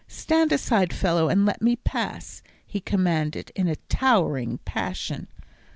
"Stand aside, fellow, and let me pass," he commanded, in a towering passion.